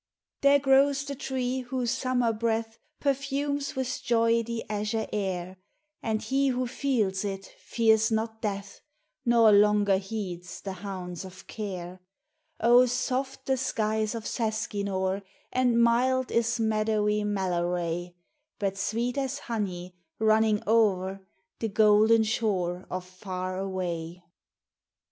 There grows the Tree whose summer breath Perfumes with joy the azure air; And he who feels it fears not Death, Nor longer heeds the hounds of Care. Oh, soft the skies of Seskinore, And mild is meadowy Mellaray. But sweet as honey, running o'er, The Golden Shore of Far Away. 184 POEMS OF FANCY.